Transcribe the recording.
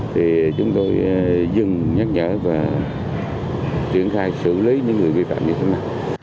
thì chúng tôi dừng nhắc nhở và triển khai xử lý những người bị phạm như thế này